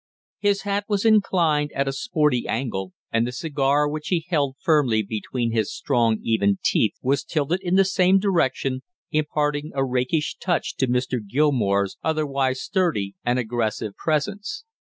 His hat was inclined at a "sporty" angle and the cigar which he held firmly between his strong even teeth was tilted in the same direction, imparting a rakish touch to Mr. Gilmore's otherwise sturdy and aggressive presence.